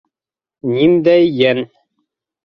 Ниндәй йән?